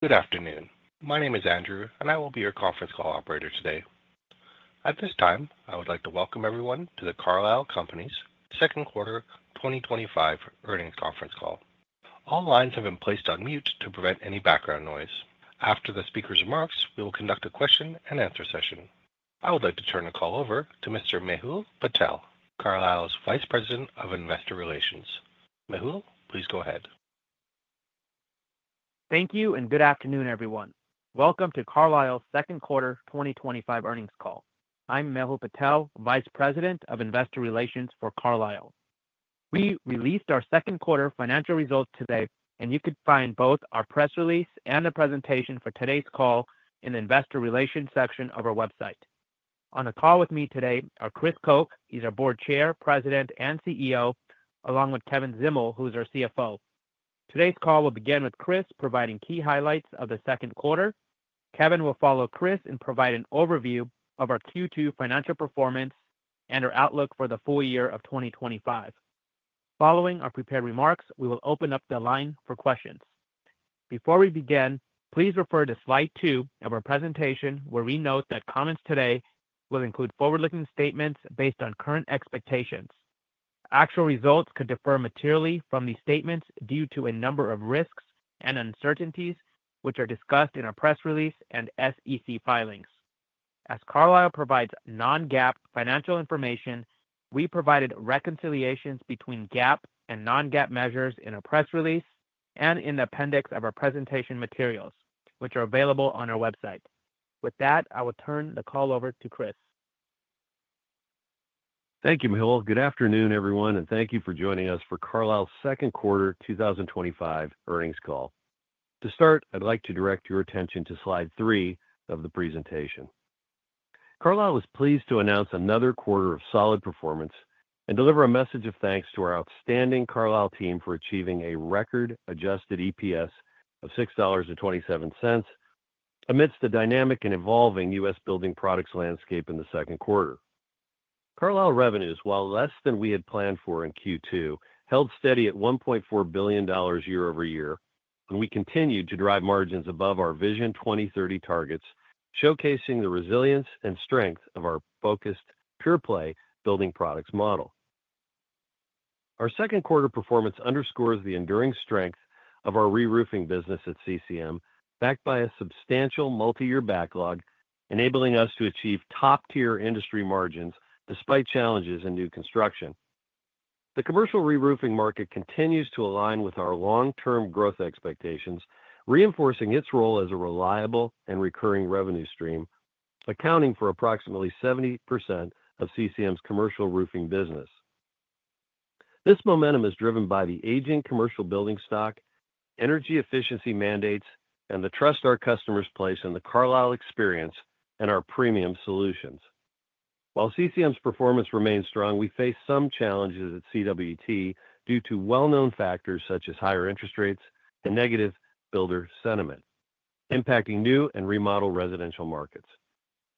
Good afternoon. My name is Andrew, and I will be your conference call operator today. At this time, I would like to welcome everyone to the Carlisle Companies second quarter 2025 earnings conference call. All lines have been placed on mute to prevent any background noise. After the speaker's remarks, we will conduct a question-and-answer session. I would like to turn the call over to Mr. Mehul Patel, Carlisle's Vice President of Investor Relations. Mehul, please go ahead. Thank you, and good afternoon, everyone. Welcome to Carlisle's second quarter 2025 earnings call. I'm Mehul Patel, Vice President of Investor Relations for Carlisle. We released our second quarter financial results today, and you can find both our press release and the presentation for today's call in the Investor Relations section of our website. On the call with me today are Chris Koch. He's our Board Chair, President, and CEO, along with Kevin Zdimal, who's our CFO. Today's call will begin with Chris providing key highlights of the second quarter. Kevin will follow Chris and provide an overview of our Q2 financial performance and our outlook for the full year of 2025. Following our prepared remarks, we will open up the line for questions. Before we begin, please refer to slide two of our presentation where we note that comments today will include forward-looking statements based on current expectations. Actual results could differ materially from these statements due to a number of risks and uncertainties which are discussed in our press release and SEC filings. As Carlisle provides non-GAAP financial information, we provided reconciliations between GAAP and non-GAAP measures in our press release and in the appendix of our presentation materials, which are available on our website. With that, I will turn the call over to Chris. Thank you, Mehul. Good afternoon, everyone, and thank you for joining us for Carlisle's second quarter 2025 earnings call. To start, I'd like to direct your attention to slide three of the presentation. Carlisle was pleased to announce another quarter of solid performance and deliver a message of thanks to our outstanding Carlisle team for achieving a record-adjusted EPS of $6.27. Amidst the dynamic and evolving U.S. building products landscape in the second quarter, Carlisle revenues, while less than we had planned for in Q2, held steady at $1.4 billion year-over-year, and we continued to drive margins above our Vision 2030 targets, showcasing the resilience and strength of our focused pure-play building products model. Our second quarter performance underscores the enduring strength of our re-roofing business at CCM, backed by a substantial multi-year backlog, enabling us to achieve top-tier industry margins despite challenges in new construction. The commercial re-roofing market continues to align with our long-term growth expectations, reinforcing its role as a reliable and recurring revenue stream, accounting for approximately 70% of CCM's commercial roofing business. This momentum is driven by the aging commercial building stock, energy efficiency mandates, and the trust our customers place in the Carlisle Experience and our premium solutions. While CCM's performance remains strong, we face some challenges at CWT due to well-known factors such as higher interest rates and negative builder sentiment impacting new and remodel residential markets.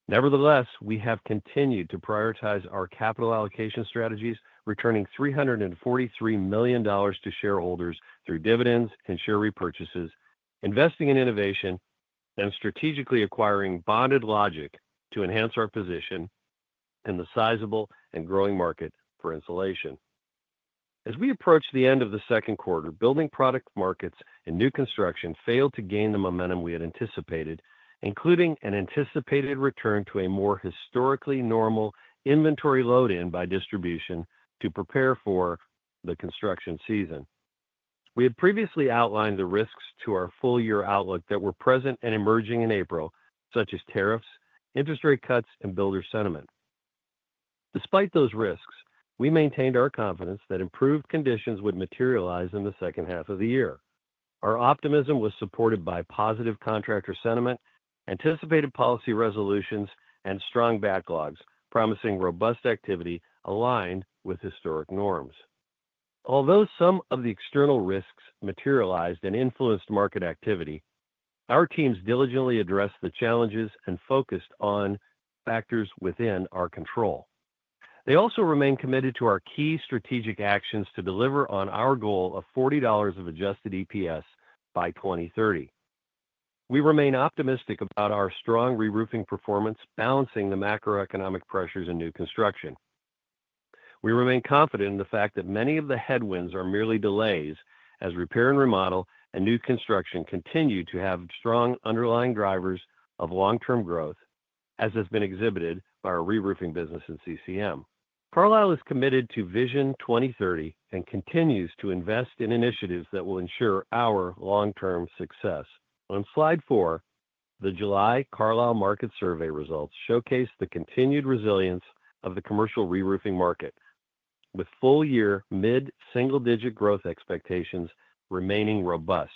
Nevertheless, we have continued to prioritize our capital allocation strategies, returning $343 million to shareholders through dividends, insurer repurchases, investing in innovation, and strategically acquiring Bonded Logic to enhance our position in the sizable and growing market for insulation. As we approach the end of the second quarter, building product markets and new construction failed to gain the momentum we had anticipated, including an anticipated return to a more historically normal inventory load-in by distribution to prepare for the construction season. We had previously outlined the risks to our full-year outlook that were present and emerging in April, such as tariffs, interest rate cuts, and builder sentiment. Despite those risks, we maintained our confidence that improved conditions would materialize in the second half of the year. Our optimism was supported by positive contractor sentiment, anticipated policy resolutions, and strong backlogs promising robust activity aligned with historic norms. Although some of the external risks materialized and influenced market activity, our teams diligently addressed the challenges and focused on factors within our control. They also remain committed to our key strategic actions to deliver on our goal of $40 of adjusted EPS by 2030. We remain optimistic about our strong re-roofing performance balancing the macroeconomic pressures in new construction. We remain confident in the fact that many of the headwinds are merely delays as repair and remodel and new construction continue to have strong underlying drivers of long-term growth, as has been exhibited by our re-roofing business in CCM. Carlisle is committed to Vision 2030 and continues to invest in initiatives that will ensure our long-term success. On slide four, the July Carlisle Market Survey results showcase the continued resilience of the commercial re-roofing market, with full-year mid-single-digit growth expectations remaining robust.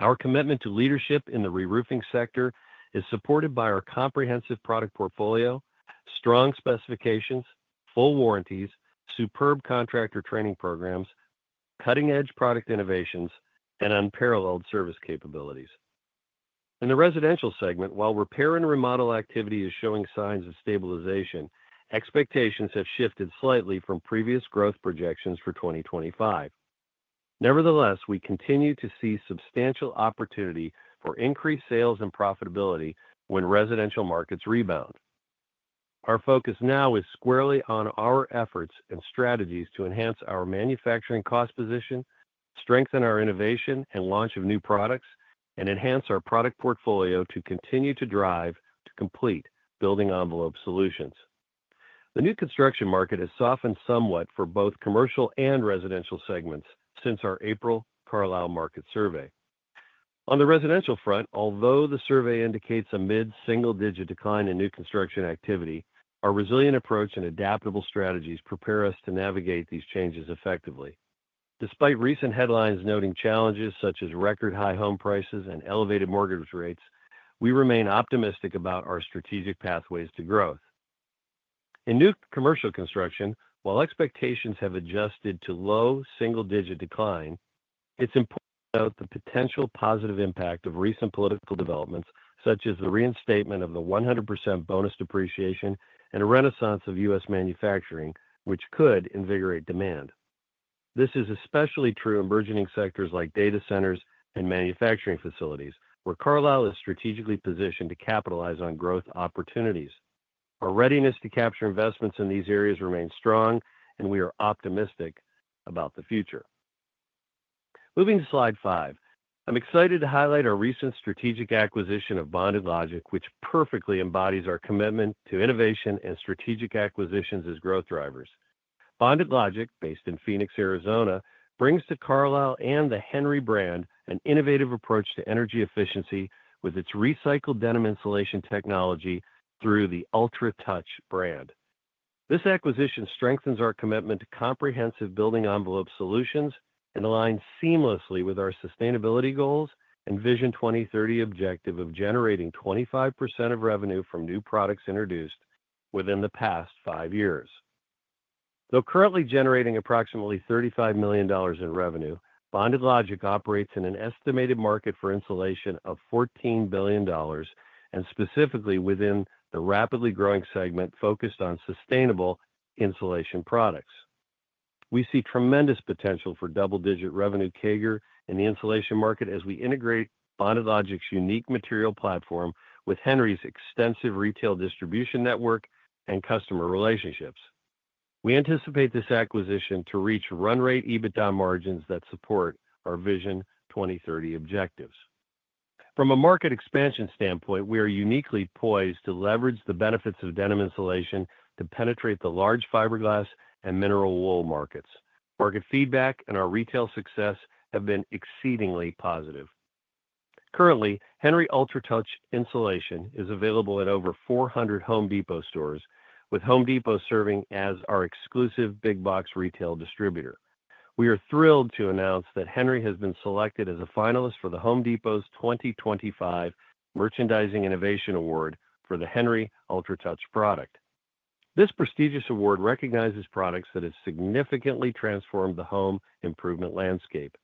Our commitment to leadership in the re-roofing sector is supported by our comprehensive product portfolio, strong specifications, full warranties, superb contractor training programs, cutting-edge product innovations, and unparalleled service capabilities. In the residential segment, while repair and remodel activity is showing signs of stabilization, expectations have shifted slightly from previous growth projections for 2025. Nevertheless, we continue to see substantial opportunity for increased sales and profitability when residential markets rebound. Our focus now is squarely on our efforts and strategies to enhance our manufacturing cost position, strengthen our innovation and launch of new products, and enhance our product portfolio to continue to drive to complete building envelope solutions. The new construction market has softened somewhat for both commercial and residential segments since our April Carlisle Market Survey. On the residential front, although the survey indicates a mid-single-digit decline in new construction activity, our resilient approach and adaptable strategies prepare us to navigate these changes effectively. Despite recent headlines noting challenges such as record-high home prices and elevated mortgage rates, we remain optimistic about our strategic pathways to growth. In new commercial construction, while expectations have adjusted to low single-digit decline, it's important to note the potential positive impact of recent political developments such as the reinstatement of the 100% bonus depreciation and a renaissance of U.S. manufacturing, which could invigorate demand. This is especially true in emerging sectors like data centers and manufacturing facilities, where Carlisle is strategically positioned to capitalize on growth opportunities. Our readiness to capture investments in these areas remains strong, and we are optimistic about the future. Moving to slide five, I'm excited to highlight our recent strategic acquisition of Bonded Logic, which perfectly embodies our commitment to innovation and strategic acquisitions as growth drivers. Bonded Logic, based in Phoenix, Arizona, brings to Carlisle and the Henry brand an innovative approach to energy efficiency with its recycled denim insulation technology through the UltraTouch brand. This acquisition strengthens our commitment to comprehensive building envelope solutions and aligns seamlessly with our sustainability goals and Vision 2030 objective of generating 25% of revenue from new products introduced within the past five years. Though currently generating approximately $35 million in revenue, Bonded Logic operates in an estimated market for insulation of $14 billion, and specifically within the rapidly growing segment focused on sustainable insulation products. We see tremendous potential for double-digit revenue CAGR in the insulation market as we integrate Bonded Logic's unique material platform with Henry's extensive retail distribution network and customer relationships. We anticipate this acquisition to reach run-rate EBITDA margins that support our Vision 2030 objectives. From a market expansion standpoint, we are uniquely poised to leverage the benefits of denim insulation to penetrate the large fiberglass and mineral wool markets. Market feedback and our retail success have been exceedingly positive. Currently, Henry UltraTouch insulation is available at over 400 Home Depot stores, with Home Depot serving as our exclusive big-box retail distributor. We are thrilled to announce that Henry has been selected as a finalist for the Home Depot's 2025 Merchandising Innovation Award for the Henry UltraTouch product. This prestigious award recognizes products that have significantly transformed the home improvement landscape.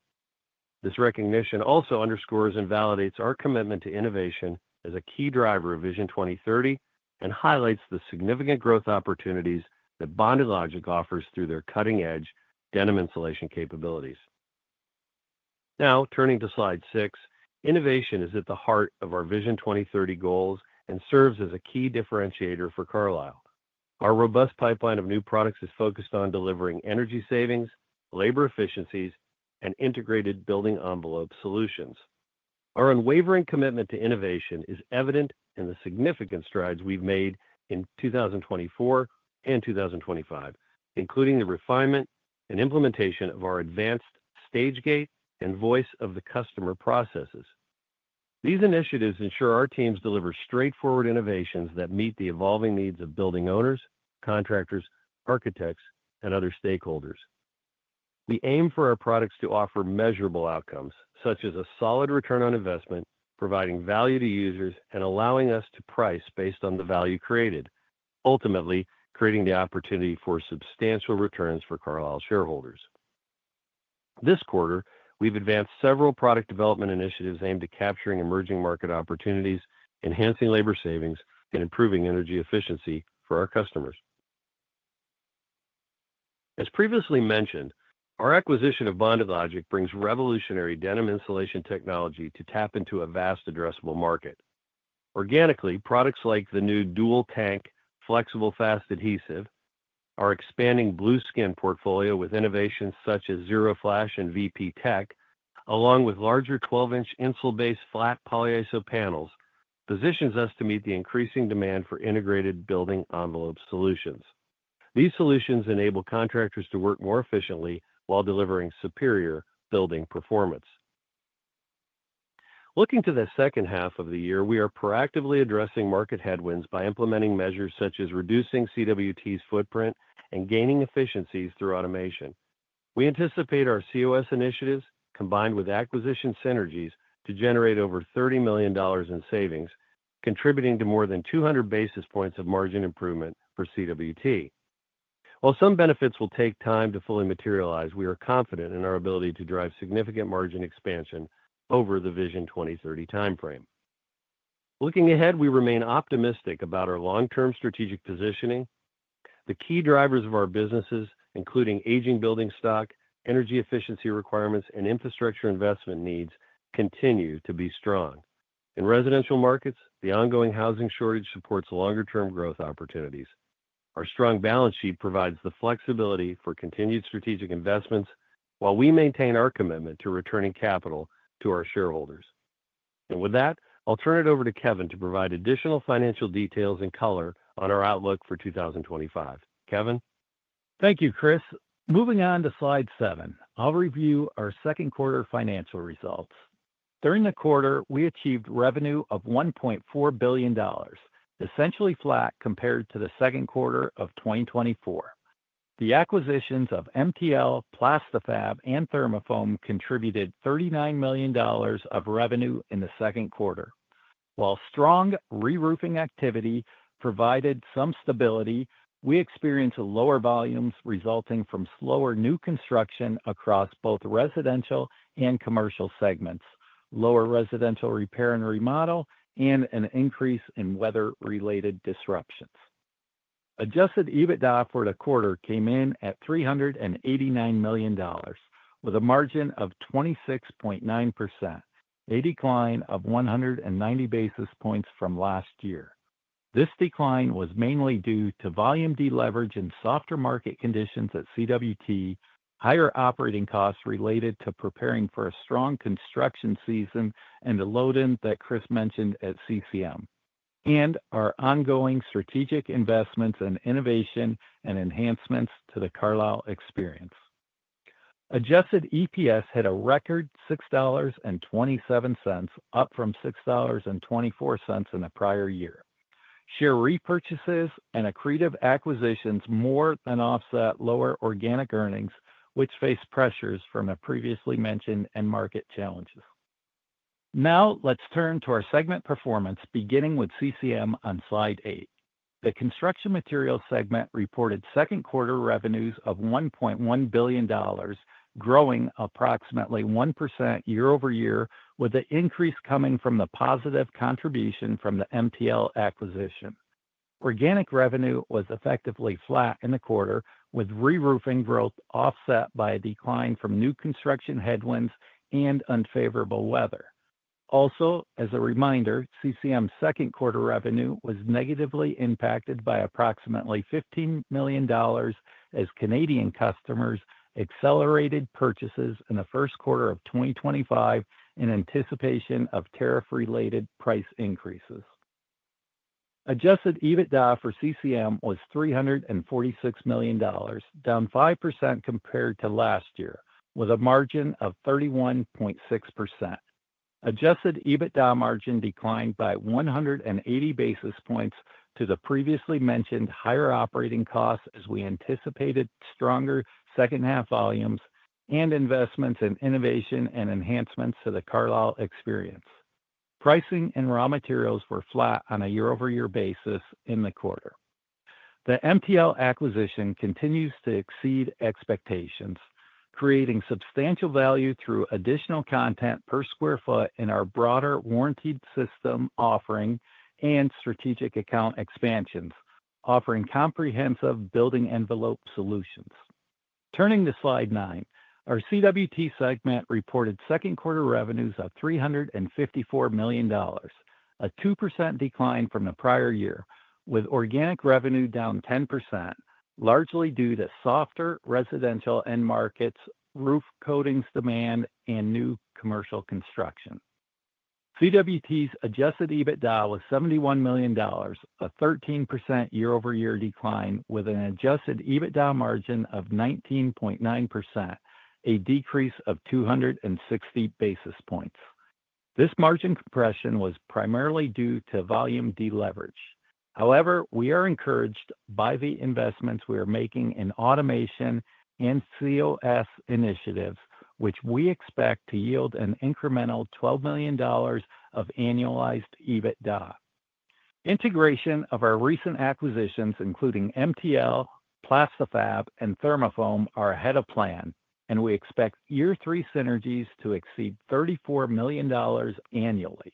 This recognition also underscores and validates our commitment to innovation as a key driver of Vision 2030 and highlights the significant growth opportunities that Bonded Logic offers through their cutting-edge denim insulation capabilities. Now, turning to slide six, innovation is at the heart of our Vision 2030 goals and serves as a key differentiator for Carlisle. Our robust pipeline of new products is focused on delivering energy savings, labor efficiencies, and integrated building envelope solutions. Our unwavering commitment to innovation is evident in the significant strides we've made in 2024 and 2025, including the refinement and implementation of our advanced Stage Gate and Voice-of-the-Customer processes. These initiatives ensure our teams deliver straightforward innovations that meet the evolving needs of building owners, contractors, architects, and other stakeholders. We aim for our products to offer measurable outcomes, such as a solid return on investment, providing value to users and allowing us to price based on the value created, ultimately creating the opportunity for substantial returns for Carlisle shareholders. This quarter, we've advanced several product development initiatives aimed at capturing emerging market opportunities, enhancing labor savings, and improving energy efficiency for our customers. As previously mentioned, our acquisition of Bonded Logic brings revolutionary denim insulation technology to tap into a vast addressable market. Organically, products like the new dual-tank Flexible Fast Adhesive, our expanding Blueskin portfolio with innovations such as ZeroFlash and VPTech, along with larger 12-inch InsulBase Flat Polyiso panels, positions us to meet the increasing demand for integrated building envelope solutions. These solutions enable contractors to work more efficiently while delivering superior building performance. Looking to the second half of the year, we are proactively addressing market headwinds by implementing measures such as reducing CWT's footprint and gaining efficiencies through automation. We anticipate our COS initiatives combined with acquisition synergies to generate over $30 million in savings, contributing to more than 200 basis points of margin improvement for CWT. While some benefits will take time to fully materialize, we are confident in our ability to drive significant margin expansion over the Vision 2030 timeframe. Looking ahead, we remain optimistic about our long-term strategic positioning. The key drivers of our businesses, including aging building stock, energy efficiency requirements, and infrastructure investment needs, continue to be strong. In residential markets, the ongoing housing shortage supports longer-term growth opportunities. Our strong balance sheet provides the flexibility for continued strategic investments while we maintain our commitment to returning capital to our shareholders. With that, I'll turn it over to Kevin to provide additional financial details and color on our outlook for 2025. Kevin? Thank you, Chris. Moving on to slide seven, I'll review our second quarter financial results. During the quarter, we achieved revenue of $1.4 billion, essentially flat compared to the second quarter of 2024. The acquisitions of MTL, Plasti-Fab, and ThermaFoam contributed $39 million of revenue in the second quarter. While strong re-roofing activity provided some stability, we experienced lower volumes resulting from slower new construction across both residential and commercial segments, lower residential repair and remodel, and an increase in weather-related disruptions. Adjusted EBITDA for the quarter came in at $389 million, with a margin of 26.9%, a decline of 190 basis points from last year. This decline was mainly due to volume deleverage and softer market conditions at CWT, higher operating costs related to preparing for a strong construction season and the load-in that Chris mentioned at CCM, and our ongoing strategic investments and innovation and enhancements to the Carlisle Experience. Adjusted EPS had a record $6.27, up from $6.24 in the prior year. Share repurchases and accretive acquisitions more than offset lower organic earnings, which faced pressures from the previously mentioned end market challenges. Now, let's turn to our segment performance, beginning with CCM on slide eight. The construction materials segment reported second quarter revenues of $1.1 billion, growing approximately 1% year-over-year, with the increase coming from the positive contribution from the MTL acquisition. Organic revenue was effectively flat in the quarter, with re-roofing growth offset by a decline from new construction headwinds and unfavorable weather. Also, as a reminder, CCM's second quarter revenue was negatively impacted by approximately $15 million. As Canadian customers accelerated purchases in the first quarter of 2025 in anticipation of tariff-related price increases. Adjusted EBITDA for CCM was $346 million, down 5% compared to last year, with a margin of 31.6%. Adjusted EBITDA margin declined by 180 basis points due to the previously mentioned higher operating costs as we anticipated stronger second-half volumes and investments in innovation and enhancements to the Carlisle Experience. Pricing and raw materials were flat on a year-over-year basis in the quarter. The MTL acquisition continues to exceed expectations, creating substantial value through additional content per square foot in our broader warranted system offering and strategic account expansions, offering comprehensive building envelope solutions. Turning to slide nine, our CWT segment reported second quarter revenues of $354 million, a 2% decline from the prior year, with organic revenue down 10%, largely due to softer residential end markets, roof coatings demand, and new commercial construction. CWT's adjusted EBITDA was $71 million, a 13% year-over-year decline, with an adjusted EBITDA margin of 19.9%, a decrease of 260 basis points. This margin compression was primarily due to volume deleverage. However, we are encouraged by the investments we are making in automation and COS initiatives, which we expect to yield an incremental $12 million of annualized EBITDA. Integration of our recent acquisitions, including MTL, Plasti-Fab, and ThermaFoam, are ahead of plan, and we expect year-three synergies to exceed $34 million annually.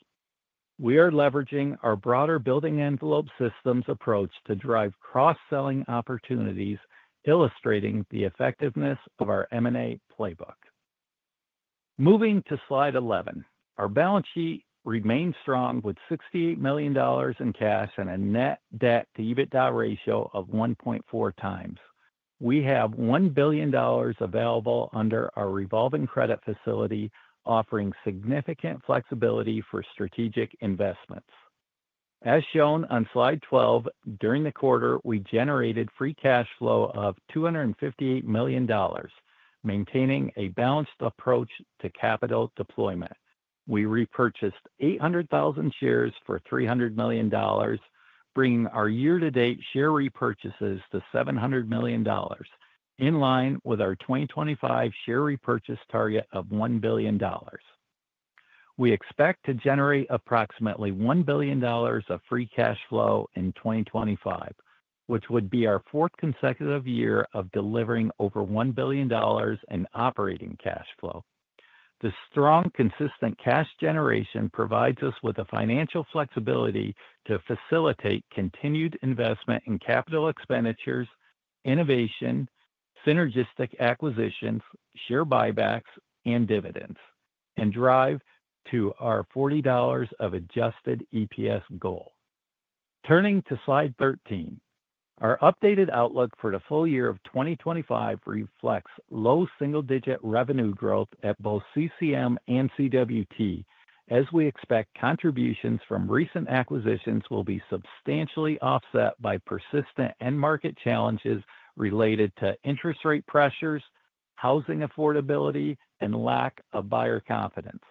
We are leveraging our broader building envelope systems approach to drive cross-selling opportunities, illustrating the effectiveness of our M&A playbook. Moving to slide 11, our balance sheet remains strong with $68 million in cash and a net debt-to-EBITDA ratio of 1.4x. We have $1 billion available under our revolving credit facility, offering significant flexibility for strategic investments. As shown on slide 12, during the quarter, we generated free cash flow of $258 million, maintaining a balanced approach to capital deployment. We repurchased 800,000 shares for $300 million, bringing our year-to-date share repurchases to $700 million, in line with our 2025 share repurchase target of $1 billion. We expect to generate approximately $1 billion of free cash flow in 2025, which would be our fourth consecutive year of delivering over $1 billion in operating cash flow. The strong, consistent cash generation provides us with the financial flexibility to facilitate continued investment in capital expenditures, innovation, synergistic acquisitions, share buybacks, and dividends, and drive to our $40 of adjusted EPS goal. Turning to slide 13, our updated outlook for the full year of 2025 reflects low single-digit revenue growth at both CCM and CWT, as we expect contributions from recent acquisitions will be substantially offset by persistent end market challenges related to interest rate pressures, housing affordability, and lack of buyer confidence.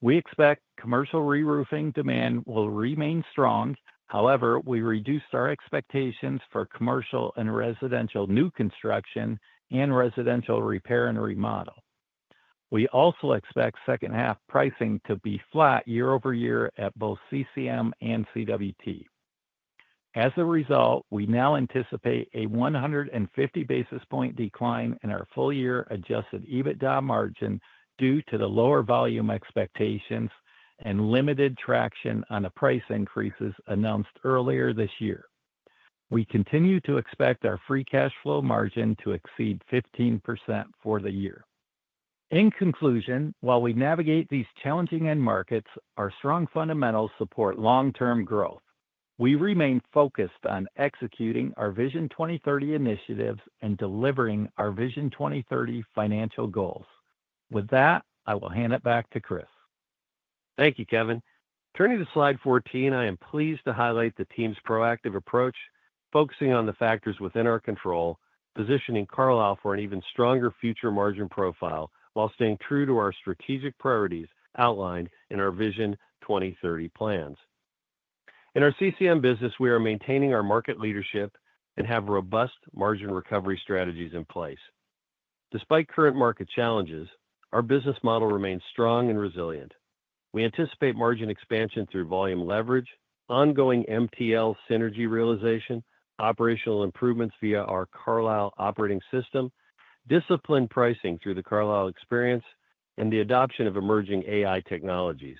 We expect commercial re-roofing demand will remain strong; however, we reduced our expectations for commercial and residential new construction and residential repair and remodel. We also expect second-half pricing to be flat year-over-year at both CCM and CWT. As a result, we now anticipate a 150 basis point decline in our full-year adjusted EBITDA margin due to the lower volume expectations and limited traction on the price increases announced earlier this year. We continue to expect our free cash flow margin to exceed 15% for the year. In conclusion, while we navigate these challenging end markets, our strong fundamentals support long-term growth. We remain focused on executing our Vision 2030 initiatives and delivering our Vision 2030 financial goals. With that, I will hand it back to Chris. Thank you, Kevin. Turning to slide 14, I am pleased to highlight the team's proactive approach, focusing on the factors within our control, positioning Carlisle for an even stronger future margin profile while staying true to our strategic priorities outlined in our Vision 2030 plans. In our CCM business, we are maintaining our market leadership and have robust margin recovery strategies in place. Despite current market challenges, our business model remains strong and resilient. We anticipate margin expansion through volume leverage, ongoing MTL synergy realization, operational improvements via our Carlisle operating system, disciplined pricing through the Carlisle Experience, and the adoption of emerging AI technologies.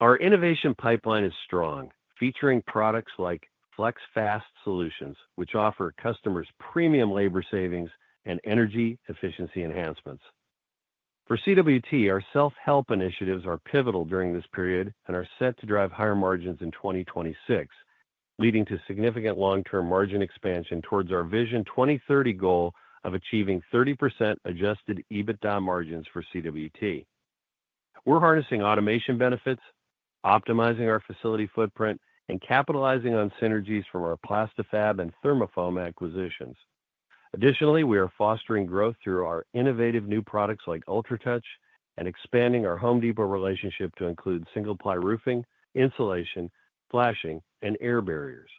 Our innovation pipeline is strong, featuring products like Flex FAST Solutions, which offer customers premium labor savings and energy efficiency enhancements. For CWT, our self-help initiatives are pivotal during this period and are set to drive higher margins in 2026, leading to significant long-term margin expansion towards our Vision 2030 goal of achieving 30% adjusted EBITDA margins for CWT. We're harnessing automation benefits, optimizing our facility footprint, and capitalizing on synergies from our Plasti-Fab and ThermaFoam acquisitions. Additionally, we are fostering growth through our innovative new products like UltraTouch and expanding our Home Depot relationship to include single-ply roofing, insulation, flashing, and air barriers.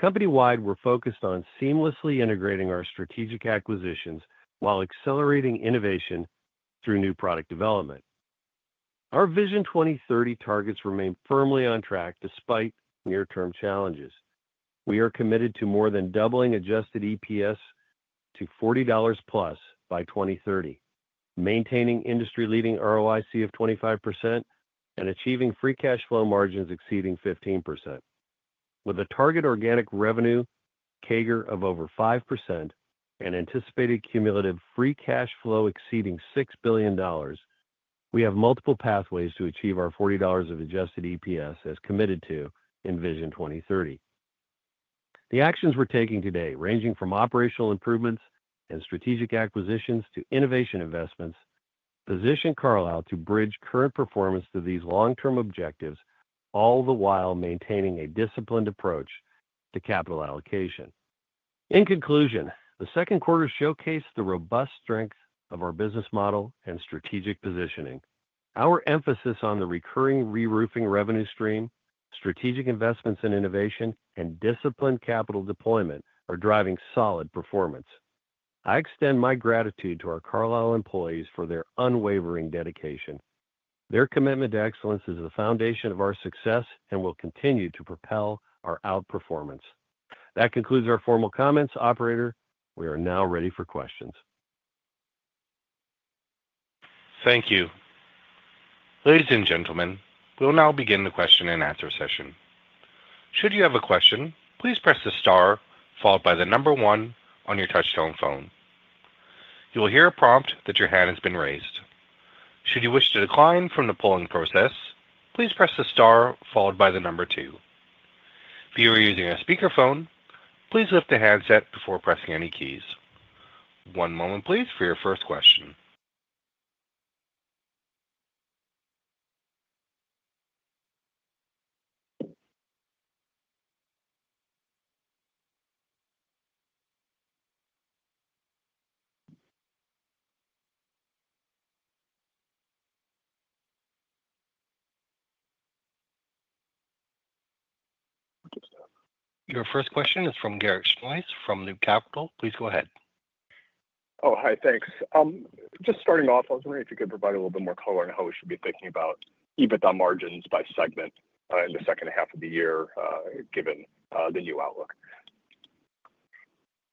Company-wide, we're focused on seamlessly integrating our strategic acquisitions while accelerating innovation through new product development. Our Vision 2030 targets remain firmly on track despite near-term challenges. We are committed to more than doubling adjusted EPS to $40+ by 2030, maintaining industry-leading ROIC of 25% and achieving free cash flow margins exceeding 15%, with a target organic revenue CAGR of over 5% and anticipated cumulative free cash flow exceeding $6 billion. We have multiple pathways to achieve our $40 of adjusted EPS, as committed to in Vision 2030. The actions we're taking today, ranging from operational improvements and strategic acquisitions to innovation investments, position Carlisle to bridge current performance to these long-term objectives, all the while maintaining a disciplined approach to capital allocation. In conclusion, the second quarter showcased the robust strength of our business model and strategic positioning. Our emphasis on the recurring re-roofing revenue stream, strategic investments in innovation, and disciplined capital deployment are driving solid performance. I extend my gratitude to our Carlisle employees for their unwavering dedication. Their commitment to excellence is the foundation of our success and will continue to propel our outperformance. That concludes our formal comments, operator. We are now ready for questions. Thank you. Ladies and gentlemen, we'll now begin the question-and-answer session. Should you have a question, please press the star followed by the number one on your touch-tone phone. You will hear a prompt that your hand has been raised. Should you wish to decline from the polling process, please press the star followed by the number two. If you are using a speakerphone, please lift the handset before pressing any keys. One moment, please, for your first question. Your first question is from Garik Shmois from Loop Capital. Please go ahead. Oh, hi. Thanks. Just starting off, I was wondering if you could provide a little bit more color on how we should be thinking about EBITDA margins by segment in the second half of the year, given the new outlook.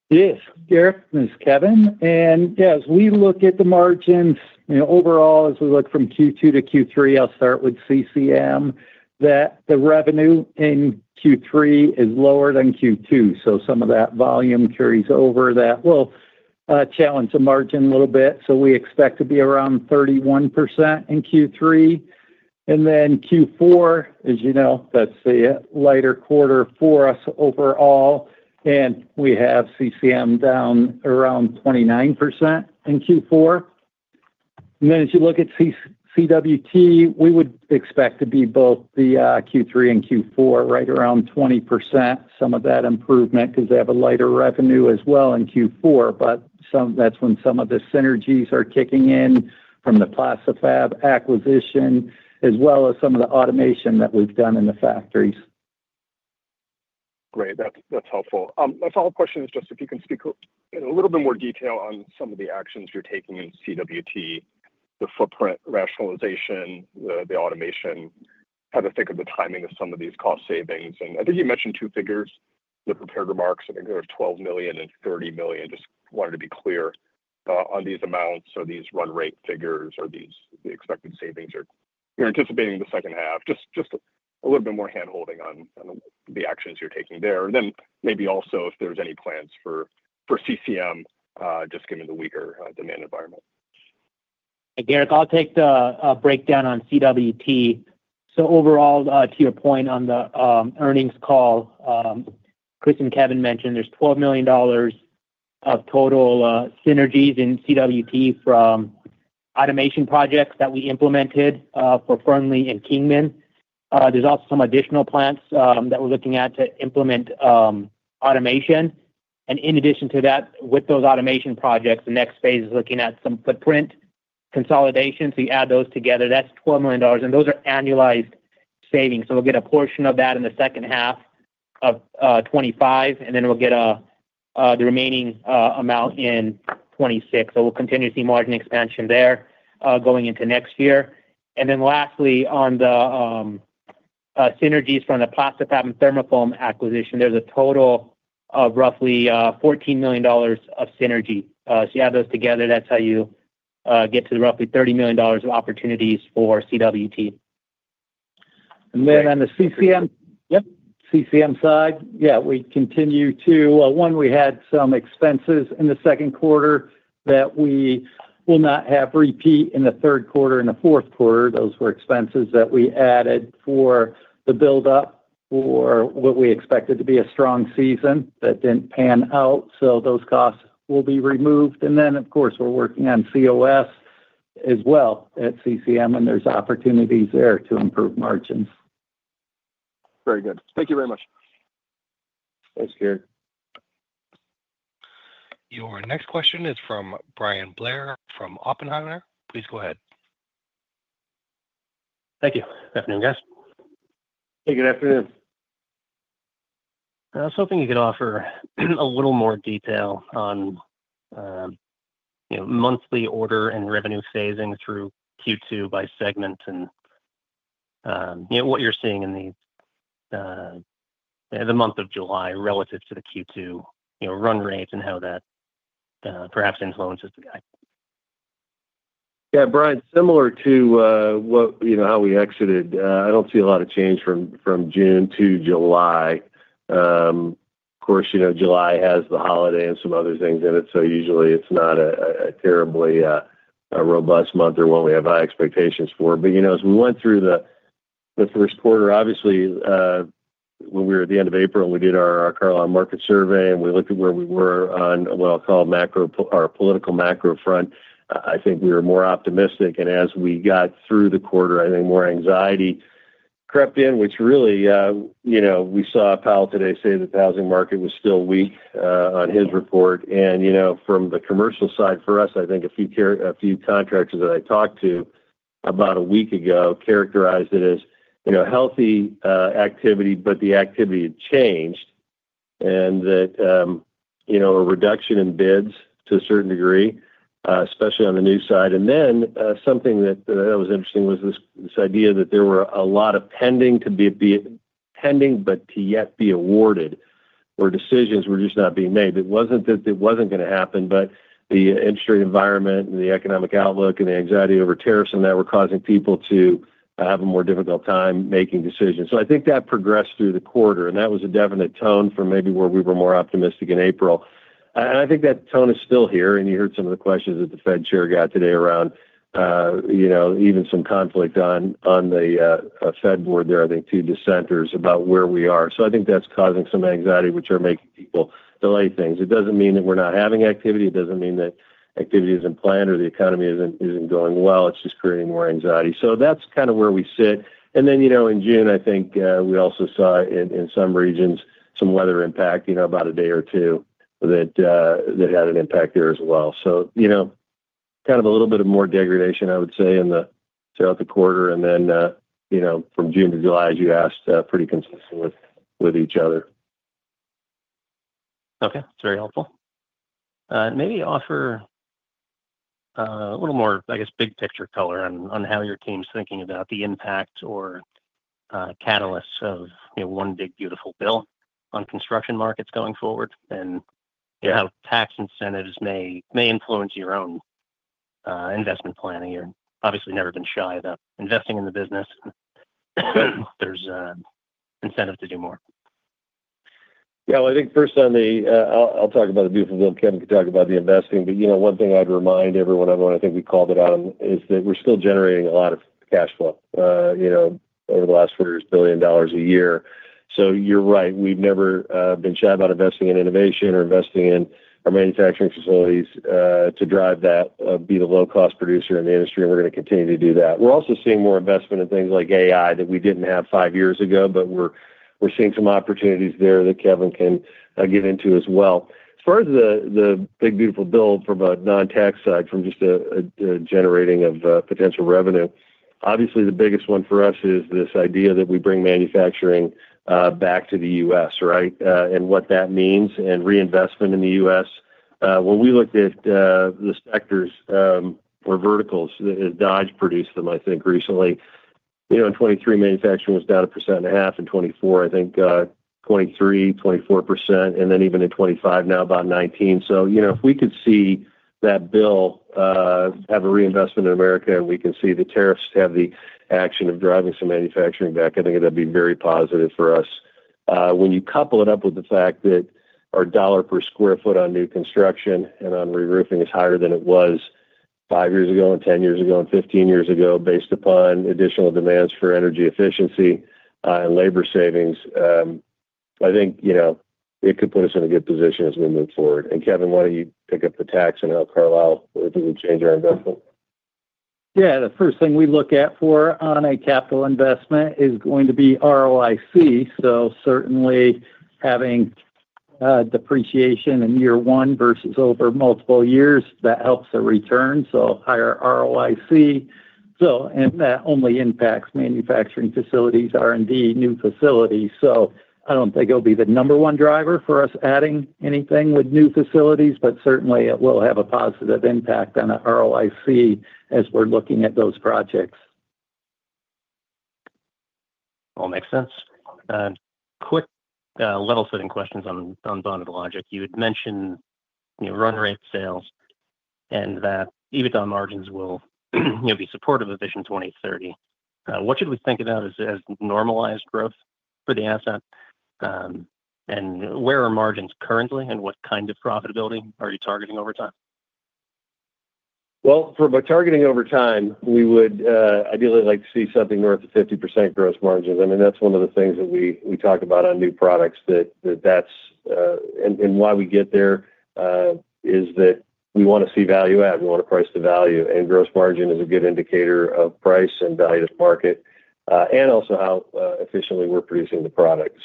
Yes, Garik, this is Kevin. As we look at the margins, overall, as we look from Q2 to Q3, I'll start with CCM, that the revenue in Q3 is lower than Q2. Some of that volume carries over that will challenge the margin a little bit. We expect to be around 31% in Q3. Q4, as you know, that's the lighter quarter for us overall. We have CCM down around 29% in Q4. As you look at CWT, we would expect to be both the Q3 and Q4, right around 20%, some of that improvement because they have a lighter revenue as well in Q4. That's when some of the synergies are kicking in from the Plasti-Fab acquisition, as well as some of the automation that we've done in the factories. Great. That's helpful. My follow-up question is just if you can speak a little bit more detail on some of the actions you're taking in CWT, the footprint rationalization, the automation, how to think of the timing of some of these cost savings. I think you mentioned two figures, the prepared remarks. I think there's $12 million and $30 million. Just wanted to be clear on these amounts or these run rate figures or the expected savings you're anticipating in the second half. Just a little bit more hand-holding on the actions you're taking there. Maybe also if there's any plans for CCM just given the weaker demand environment. Garik, I'll take the breakdown on CWT. Overall, to your point on the earnings call, Chris and Kevin mentioned there's $12 million of total synergies in CWT from automation projects that we implemented for Fernley and Kingman. There's also some additional plants that we're looking at to implement automation. In addition to that, with those automation projects, the next phase is looking at some footprint consolidation. You add those together, that's $12 million. Those are annualized savings. We'll get a portion of that in the second half of 2025, and then we'll get the remaining amount in 2026. We'll continue to see margin expansion there going into next year. Lastly, on the synergies from the Plasti-Fab and ThermaFoam acquisition, there's a total of roughly $14 million of synergy. You add those together, that's how you get to roughly $30 million of opportunities for CWT. On the CCM side, we continue to, one, we had some expenses in the second quarter that we will not have repeat in the third quarter and the fourth quarter. Those were expenses that we added for the build-up for what we expected to be a strong season that didn't pan out. Those costs will be removed. Of course, we're working on COS as well at CCM, and there's opportunities there to improve margins. Very good. Thank you very much. Thanks, Garik. Your next question is from Bryan Blair from Oppenheimer. Please go ahead. Thank you. Good afternoon, guys. Hey, good afternoon. I was hoping you could offer a little more detail on monthly order and revenue phasing through Q2 by segment and what you're seeing in the month of July relative to the Q2 run rates and how that perhaps influences the guide. Yeah, Bryan, similar to how we exited, I don't see a lot of change from June to July. Of course, July has the holiday and some other things in it. Usually, it's not a terribly robust month or one we have high expectations for. As we went through the first quarter, obviously, when we were at the end of April and we did our Carlisle Market Survey and we looked at where we were on what I'll call our political macro front, I think we were more optimistic. As we got through the quarter, I think more anxiety crept in, which really, we saw Powell today say that the housing market was still weak on his report. From the commercial side for us, I think a few contractors that I talked to about a week ago characterized it as healthy activity, but the activity had changed. A reduction in bids to a certain degree, especially on the new side. Something that was interesting was this idea that there were a lot of pending to be, pending but to yet be awarded or decisions were just not being made. It wasn't that it wasn't going to happen, but the interest rate environment and the economic outlook and the anxiety over tariffs and that were causing people to have a more difficult time making decisions. I think that progressed through the quarter. That was a definite tone for maybe where we were more optimistic in April. I think that tone is still here. You heard some of the questions that the Fed Chair got today around even some conflict on the Fed board there, I think, two dissenters about where we are. I think that's causing some anxiety, which are making people delay things. It doesn't mean that we're not having activity. It doesn't mean that activity isn't planned or the economy isn't going well. It's just creating more anxiety. That's kind of where we sit. In June, I think we also saw in some regions some weather impact, about a day or two that had an impact there as well. A little bit of more degradation, I would say, throughout the quarter. From June to July, as you asked, pretty consistent with each other. That's very helpful. Maybe offer a little more, I guess, big picture color on how your team's thinking about the impact or catalysts of One Big Beautiful Bill on construction markets going forward and how tax incentives may influence your own investment planning. You've obviously never been shy about investing in the business. There's incentive to do more. I think first on the, I'll talk about the Beautiful Bill. Kevin can talk about the investing. One thing I'd remind everyone of, and I think we called it out on, is that we're still generating a lot of cash flow. Over the last four years, $1 billion a year. You're right. We've never been shy about investing in innovation or investing in our manufacturing facilities to drive that, be the low-cost producer in the industry, and we're going to continue to do that. We're also seeing more investment in things like AI that we didn't have five years ago, but we're seeing some opportunities there that Kevin can get into as well. As far as the Big Beautiful Bill from a non-tax side, from just generating potential revenue, obviously, the biggest one for us is this idea that we bring manufacturing back to the U.S., right, and what that means and reinvestment in the U.S. When we looked at the sectors or verticals, as Dodge produced them, I think, recently, in 2023, manufacturing was down 1.5%. In 2024, I think 23%, 24%. Even in 2025, now about 19%. If we could see that bill have a reinvestment in America and we can see the tariffs have the action of driving some manufacturing back, I think it'd be very positive for us. When you couple it up with the fact that our dollar per square foot on new construction and on re-roofing is higher than it was five years ago and 10 years ago and 15 years ago, based upon additional demands for energy efficiency and labor savings, I think. It could put us in a good position as we move forward. Kevin, why don't you pick up the tax and how Carlisle doesn't change our investment. Yeah. The first thing we look at for on a capital investment is going to be ROIC. Certainly, having depreciation in year one vs over multiple years helps the return, so higher ROIC. That only impacts manufacturing facilities, R&D, new facilities. I don't think it'll be the number one driver for us adding anything with new facilities, but certainly, it will have a positive impact on ROIC as we're looking at those projects. All makes sense. Quick level-setting questions on Bonded Logic. You had mentioned run rate sales and that EBITDA margins will be supportive of Vision 2030. What should we think about as normalized growth for the asset? Where are margins currently, and what kind of profitability are you targeting over time? For targeting over time, we would ideally like to see something north of 50% gross margins. That's one of the things that we talk about on new products. That's why we get there. We want to see value-add. We want to price the value, and gross margin is a good indicator of price and value-added market and also how efficiently we're producing the product.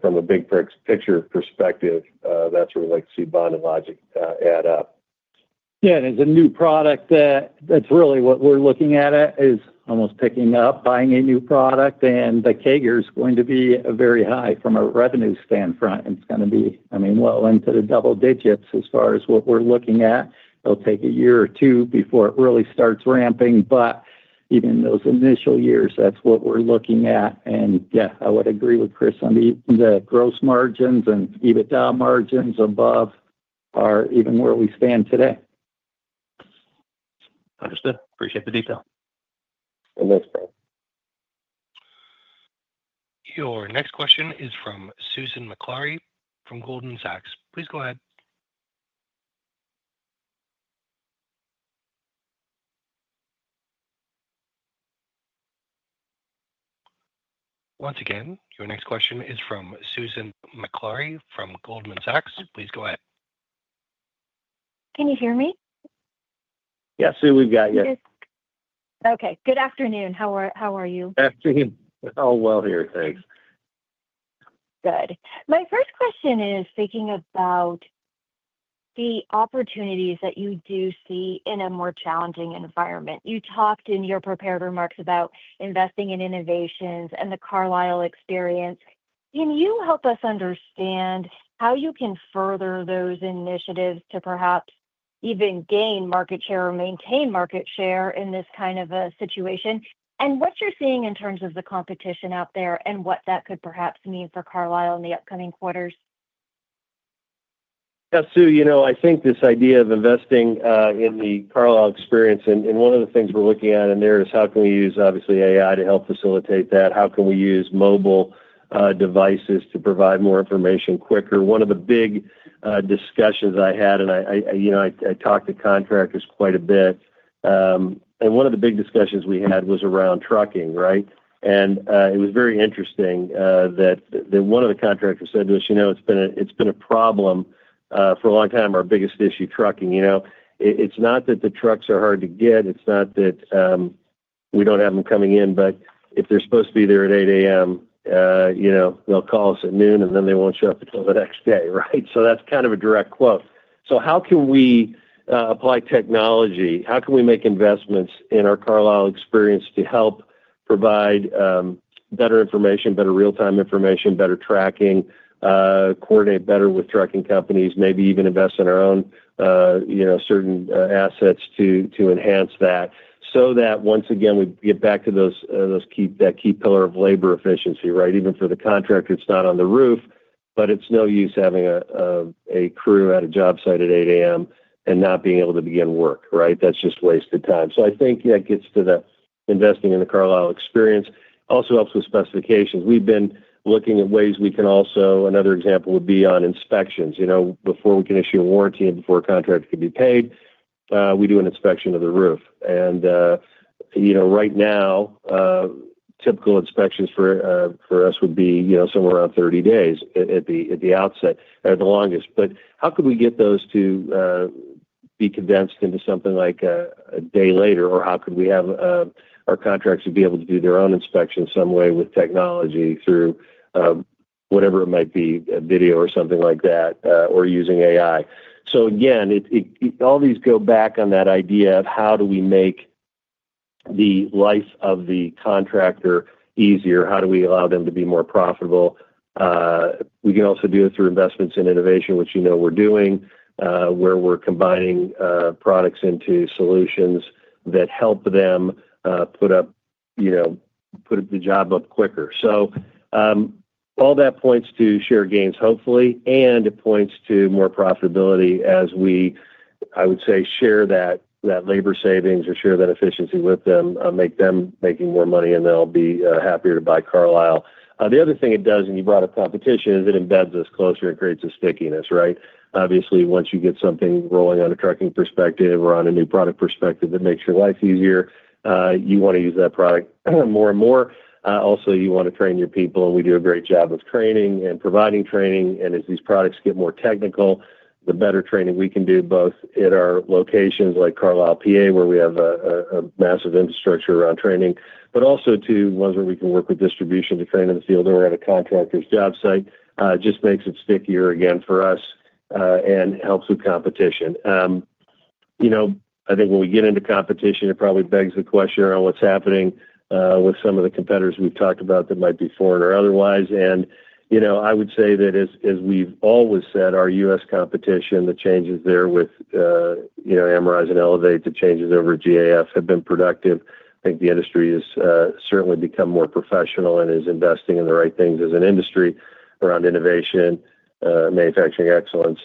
From a big picture perspective, that's where we'd like to see Bonded Logic add up. As a new product, that's really what we're looking at, almost picking up, buying a new product. The CAGR is going to be very high from a revenue standpoint. It's going to be well into the double digits as far as what we're looking at. It'll take a year or two before it really starts ramping, but even in those initial years, that's what we're looking at. I would agree with Chris on the gross margins and EBITDA margins above or even where we stand today. Understood. Appreciate the detail. It looks great. Your next question is from Susan Maklari from Goldman Sachs. Please go ahead. Once again, your next question is from Susan Maklari from Goldman Sachs. Please go ahead. Can you hear me? Yeah. Sue, we've got you. Okay. Good afternoon. How are you? Good afternoon. All well here. Thanks. Good. My first question is thinking about the opportunities that you do see in a more challenging environment. You talked in your prepared remarks about investing in innovations and the Carlisle Experience. Can you help us understand how you can further those initiatives to perhaps even gain market share or maintain market share in this kind of a situation? What you're seeing in terms of the competition out there and what that could perhaps mean for Carlisle in the upcoming quarters? Yeah. Sue, I think this idea of investing in the Carlisle Experience, and one of the things we're looking at in there is how can we use, obviously, AI to help facilitate that? How can we use mobile devices to provide more information quicker? One of the big discussions I had, and I talked to contractors quite a bit. One of the big discussions we had was around trucking, right? It was very interesting that one of the contractors said to us, "It's been a problem. For a long time, our biggest issue, trucking. It's not that the trucks are hard to get. It's not that. We don't have them coming in, but if they're supposed to be there at 8:00 A.M. They'll call us at noon, and then they won't show up until the next day," right? That's kind of a direct quote. How can we apply technology? How can we make investments in our Carlisle Experience to help provide better information, better real-time information, better tracking? Coordinate better with trucking companies, maybe even invest in our own certain assets to enhance that so that, once again, we get back to that key pillar of labor efficiency, right? Even for the contractor, it's not on the roof, but it's no use having a crew at a job site at 8:00 A.M. and not being able to begin work, right? That's just wasted time. I think that gets to the investing in the Carlisle Experience. It also helps with specifications. We've been looking at ways we can also, another example would be on inspections. Before we can issue a warranty and before a contractor can be paid, we do an inspection of the roof. Right now, typical inspections for us would be somewhere around 30 days at the outset, at the longest. How could we get those to be condensed into something like a day later? Or how could we have our contractors be able to do their own inspection some way with technology through whatever it might be, video or something like that, or using AI? All these go back on that idea of how do we make the life of the contractor easier? How do we allow them to be more profitable? We can also do it through investments in innovation, which we're doing, where we're combining products into solutions that help them put up. The job up quicker. All that points to share gains, hopefully, and it points to more profitability as we, I would say, share that labor savings or share that efficiency with them, make them making more money, and they'll be happier to buy Carlisle. The other thing it does, and you brought up competition, is it embeds us closer and creates a stickiness, right? Obviously, once you get something rolling on a trucking perspective or on a new product perspective that makes your life easier, you want to use that product more and more. Also, you want to train your people, and we do a great job of training and providing training. As these products get more technical, the better training we can do, both at our locations like Carlisle, P.A., where we have a massive infrastructure around training, but also to ones where we can work with distribution to train in the field or at a contractor's job site, just makes it stickier again for us and helps with competition. I think when we get into competition, it probably begs the question around what's happening with some of the competitors we've talked about that might be foreign or otherwise. I would say that as we've always said, our U.S. competition, the changes there with Amrize and Elevate, the changes over at GAF have been productive. I think the industry has certainly become more professional and is investing in the right things as an industry around innovation, manufacturing excellence.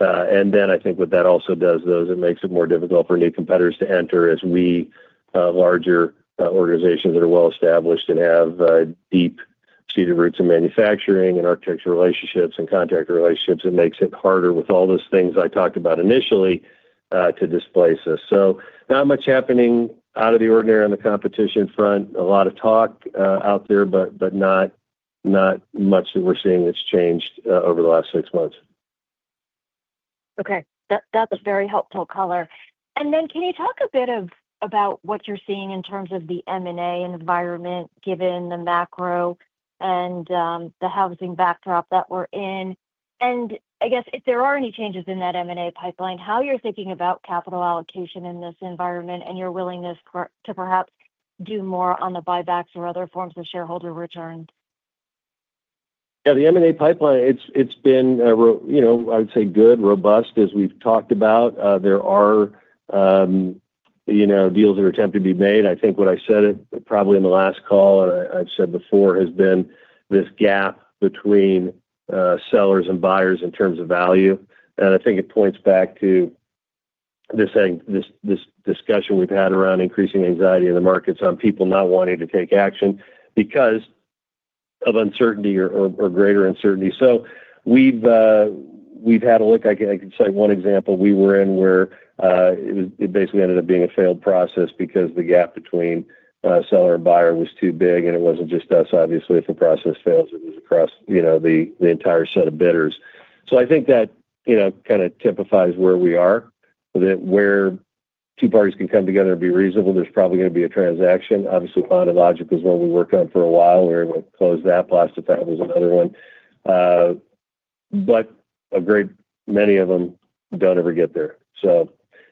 I think what that also does, though, is it makes it more difficult for new competitors to enter as we, larger organizations that are well established and have deep-seated roots in manufacturing and architectural relationships and contractor relationships. It makes it harder with all those things I talked about initially to displace us. Not much happening out of the ordinary on the competition front. A lot of talk out there, but not much that we're seeing that's changed over the last six months. Okay. That's a very helpful color. Can you talk a bit about what you're seeing in terms of the M&A environment, given the macro and the housing backdrop that we're in? I guess if there are any changes in that M&A pipeline, how you're thinking about capital allocation in this environment and your willingness to perhaps do more on the buybacks or other forms of shareholder returns? Yeah. The M&A pipeline, it's been, I would say, good, robust, as we've talked about. There are. Deals that are attempting to be made. I think what I said probably in the last call, and I've said before, has been this gap between sellers and buyers in terms of value. I think it points back to this discussion we've had around increasing anxiety in the markets on people not wanting to take action because of uncertainty or greater uncertainty. We've had a look. I can cite one example we were in where it basically ended up being a failed process because the gap between seller and buyer was too big. It wasn't just us, obviously. If a process fails, it was across the entire set of bidders. I think that kind of typifies where we are, that where two parties can come together and be reasonable, there's probably going to be a transaction. Obviously, Bonded Logic was one we worked on for a while. We were able to close that. Plasti-Fab was another one. A great many of them don't ever get there.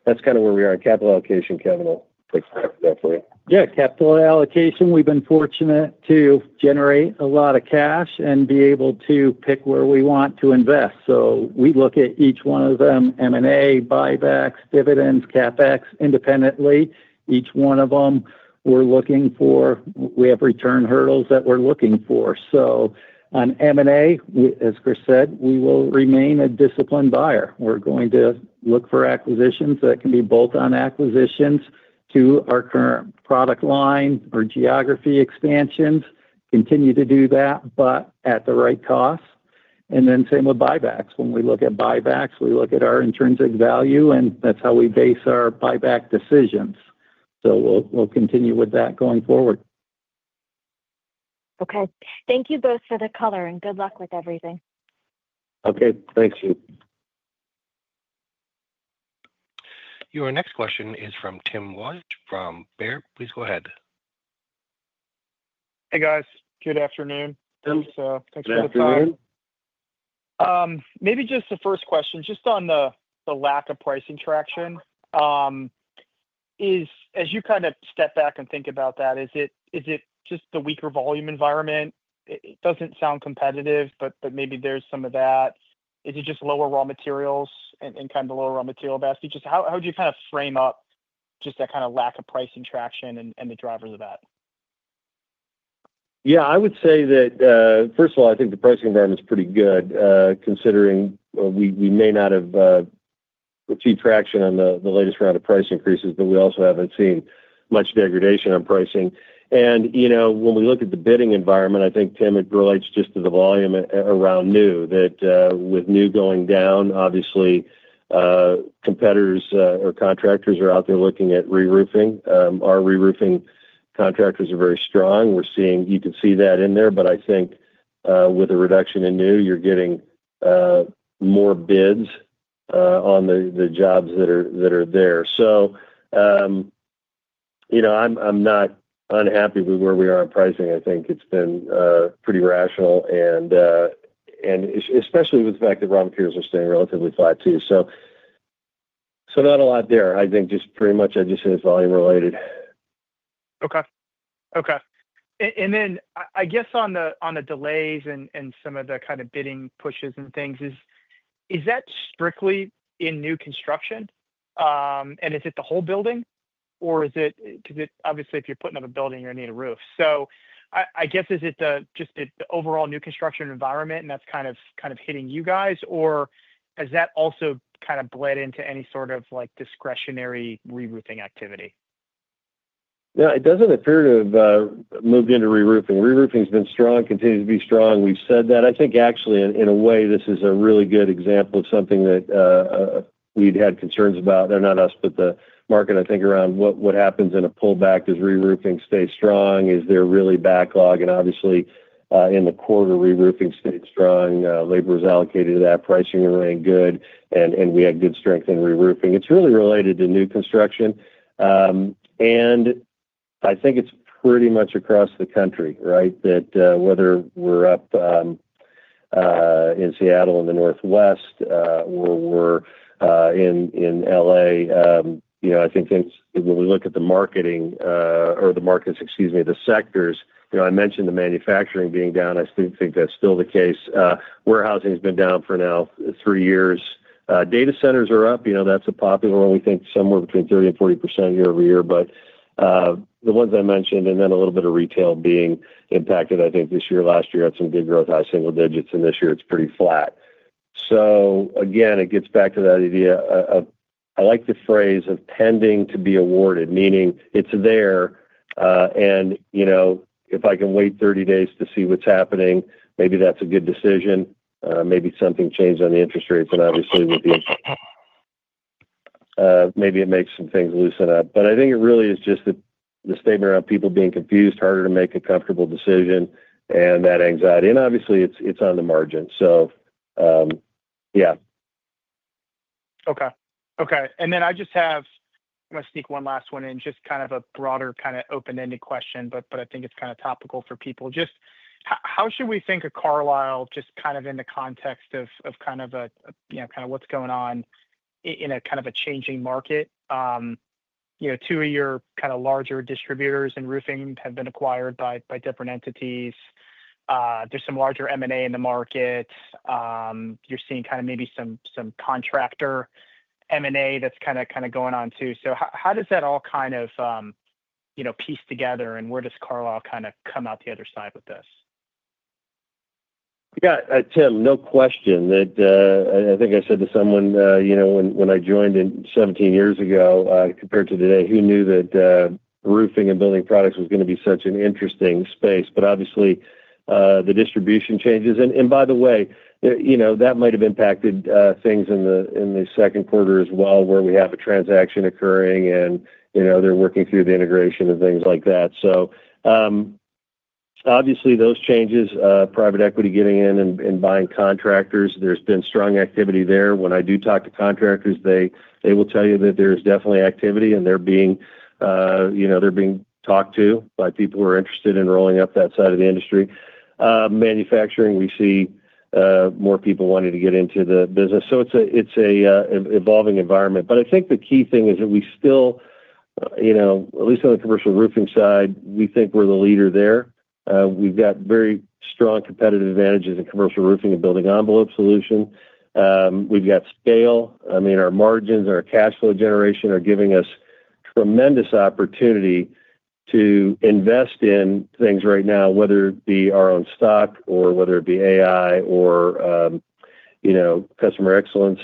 That's kind of where we are in capital allocation. Kevin will explain that for you. Yeah. Capital allocation, we've been fortunate to generate a lot of cash and be able to pick where we want to invest. We look at each one of them: M&A, buybacks, dividends, CapEx, independently. Each one of them, we're looking for—we have return hurdles that we're looking for. On M&A, as Chris said, we will remain a disciplined buyer. We're going to look for acquisitions that can be bolt-on acquisitions to our current product line or geography expansions, continue to do that, but at the right cost. The same with buybacks. When we look at buybacks, we look at our intrinsic value, and that's how we base our buyback decisions. We'll continue with that going forward. Okay. Thank you both for the color, and good luck with everything. Okay. Thanks, Sue. Your next question is from Tim Wojs from Baird. Please go ahead. Hey, guys. Good afternoon. Thanks for the time. Good afternoon. Maybe just the first question, just on the lack of pricing traction. As you kind of step back and think about that, is it just the weaker volume environment? It doesn't sound competitive, but maybe there's some of that. Is it just lower raw materials and kind of the lower raw material basket? Just how would you kind of frame up just that kind of lack of pricing traction and the drivers of that? Yeah. I would say that, first of all, I think the pricing environment is pretty good, considering we may not have. Achieved traction on the latest round of price increases, but we also haven't seen much degradation on pricing. When we look at the bidding environment, I think, Tim, it relates just to the volume around new. With new going down, obviously competitors or contractors are out there looking at re-roofing. Our re-roofing contractors are very strong. You can see that in there. With a reduction in new, you're getting more bids on the jobs that are there. I'm not unhappy with where we are in pricing. I think it's been pretty rational, especially with the fact that raw materials are staying relatively flat too. Not a lot there. I think pretty much I just say it's volume related. Okay. And then I guess on the delays and some of the kind of bidding pushes and things, is that strictly in new construction? Is it the whole building? Because obviously, if you're putting up a building, you're going to need a roof. I guess is it just the overall new construction environment, and that's kind of hitting you guys, or has that also kind of bled into any sort of discretionary re-roofing activity? No, it doesn't appear to have moved into re-roofing. Re-roofing has been strong, continues to be strong. We've said that. I think, actually, in a way, this is a really good example of something that we'd had concerns about. They're not us, but the market, I think, around what happens in a pullback. Does re-roofing stay strong? Is there really backlog? Obviously, in the quarter, re-roofing stayed strong. Labor was allocated to that. Pricing remained good, and we had good strength in re-roofing. It's really related to new construction. I think it's pretty much across the country, right? Whether we're up in Seattle in the Northwest or we're in L.A., I think when we look at the markets, the sectors, I mentioned the manufacturing being down. I think that's still the case. Warehousing has been down for now three years. Data centers are up. That's a popular one. We think somewhere between 30% and 40% year-over-year. The ones I mentioned, and then a little bit of retail being impacted, I think this year. Last year had some good growth, high single digits, and this year it's pretty flat. It gets back to that idea of I like the phrase of pending to be awarded, meaning it's there. If I can wait 30 days to see what's happening, maybe that's a good decision. Maybe something changed on the interest rates. Obviously, maybe it makes some things loosen up. I think it really is just the statement around people being confused, harder to make a comfortable decision, and that anxiety. Obviously, it's on the margin. Yeah. Okay. Okay. I just have—I'm going to sneak one last one in, just kind of a broader kind of open-ended question, but I think it's kind of topical for people. Just how should we think of Carlisle just kind of in the context of kind of what's going on in a kind of a changing market? Two of your kind of larger distributors in roofing have been acquired by different entities. There's some larger M&A in the market. You're seeing kind of maybe some contractor M&A that's kind of going on too. How does that all kind of piece together, and where does Carlisle kind of come out the other side with this? Yeah. Tim, no question that I think I said to someone when I joined 17 years ago, compared to today, who knew that roofing and building products was going to be such an interesting space. Obviously, the distribution changes. By the way, that might have impacted things in the second quarter as well, where we have a transaction occurring, and they're working through the integration and things like that. Obviously, those changes, private equity getting in and buying contractors, there's been strong activity there. When I do talk to contractors, they will tell you that there is definitely activity, and they're being talked to by people who are interested in rolling up that side of the industry. Manufacturing, we see more people wanting to get into the business. It's an evolving environment. I think the key thing is that we still, at least on the commercial roofing side, we think we're the leader there. We've got very strong competitive advantages in commercial roofing and building envelope solution. We've got scale. I mean, our margins and our cash flow generation are giving us tremendous opportunity to invest in things right now, whether it be our own stock or whether it be AI or customer excellence.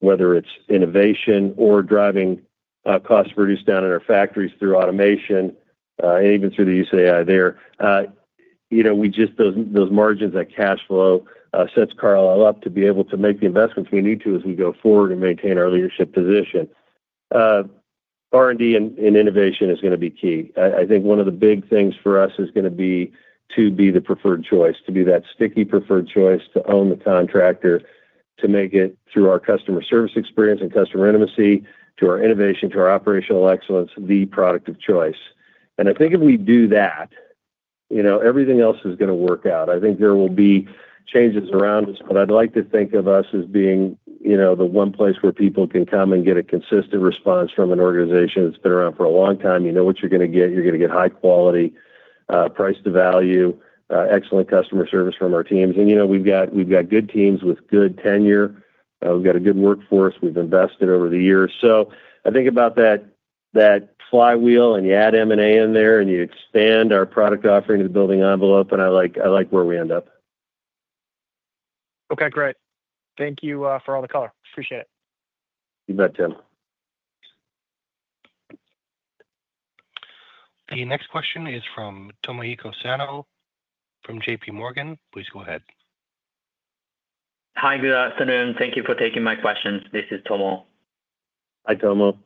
Whether it's innovation or driving cost reduced down in our factories through automation and even through the use of AI there. Those margins, that cash flow sets Carlisle up to be able to make the investments we need to as we go forward and maintain our leadership position. R&D and innovation is going to be key. I think one of the big things for us is going to be to be the preferred choice, to be that sticky preferred choice, to own the contractor, to make it through our customer service experience and customer intimacy to our innovation, to our operational excellence, the product of choice. I think if we do that, everything else is going to work out. I think there will be changes around us, but I'd like to think of us as being the one place where people can come and get a consistent response from an organization that's been around for a long time. You know what you're going to get. You're going to get high quality, price to value, excellent customer service from our teams. We've got good teams with good tenure. We've got a good workforce. We've invested over the years. I think about that flywheel, and you add M&A in there, and you expand our product offering to the building envelope, and I like where we end up. Okay. Great. Thank you for all the color. Appreciate it. You bet, Tim. The next question is from Tomohiko Sano from JPMorgan. Please go ahead. Hi. Good afternoon. Thank you for taking my questions. This is Tomo. Hi, Tomo.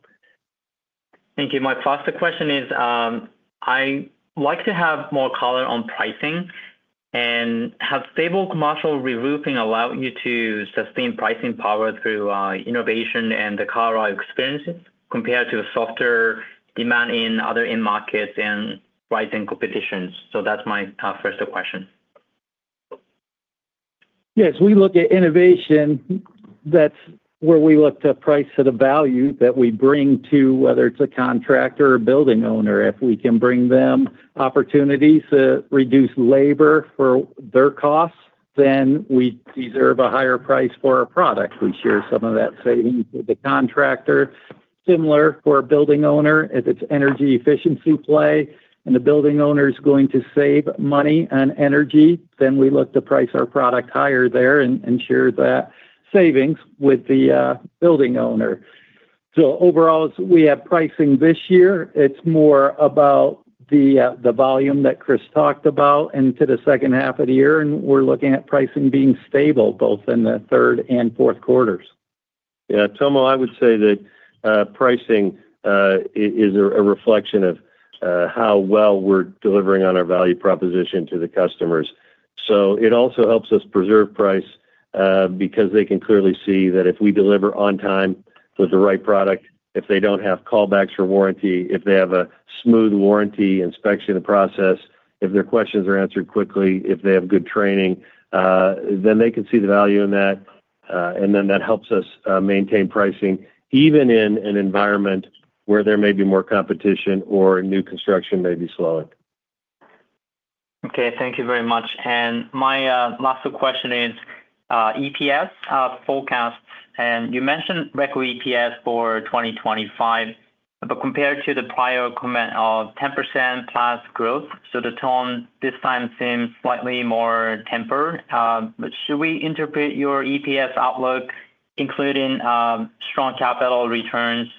Thank you. My first question is, I'd like to have more color on pricing and have stable commercial re-roofing allow you to sustain pricing power through innovation and the car experiences compared to the softer demand in other markets and rising competitions? That's my first question. Yes. We look at innovation. That's where we look to price to the value that we bring to whether it's a contractor or a building owner. If we can bring them opportunities to reduce labor for their costs, then we deserve a higher price for our product. We share some of that savings with the contractor. Similar for a building owner, if it's energy efficiency play and the building owner is going to save money on energy, then we look to price our product higher there and ensure that savings with the building owner. Overall, we have pricing this year. It's more about the volume that Chris talked about into the second half of the year, and we're looking at pricing being stable both in the third and fourth quarters. Yeah. Tomo, I would say that pricing is a reflection of how well we're delivering on our value proposition to the customers. It also helps us preserve price because they can clearly see that if we deliver on time with the right product, if they don't have callbacks for warranty, if they have a smooth warranty inspection process, if their questions are answered quickly, if they have good training, then they can see the value in that. That helps us maintain pricing even in an environment where there may be more competition or new construction may be slowing. Thank you very much. My last question is EPS forecast. You mentioned record EPS for 2025, but compared to the prior comment of 10%+ growth, the tone this time seems slightly more tempered. Should we interpret your EPS outlook, including strong capital returns,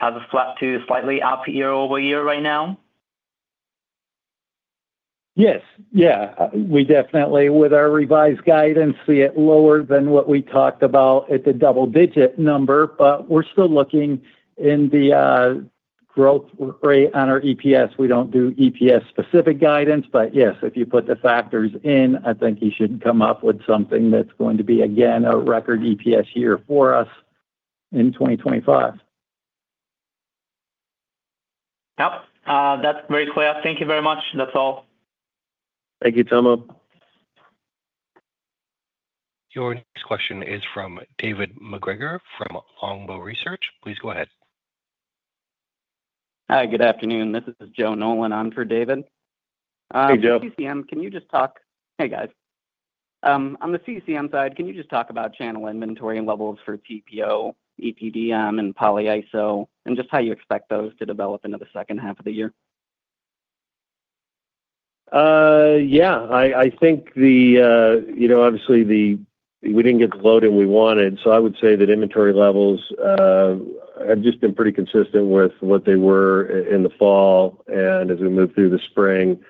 as a flat to slightly up year-over-year right now? Yes. We definitely, with our revised guidance, see it lower than what we talked about at the double-digit number, but we're still looking in the growth rate on our EPS. We don't do EPS-specific guidance, but yes, if you put the factors in, I think you should come up with something that's going to be, again, a record EPS year for us in 2025. That's very clear. Thank you very much. That's all. Thank you, Tomo. Your next question is from David MacGregor from Longbow Research. Please go ahead. Hi. Good afternoon. This is Joe Nolan on for David. Hey, Joe. CCM, can you just talk? Hey, guys. On the CCM side, can you just talk about channel inventory and levels for TPO, EPDM, and Polyiso, and just how you expect those to develop into the second half of the year? I think obviously we didn't get the loading we wanted. I would say that inventory levels have just been pretty consistent with what they were in the fall and as we move through the spring.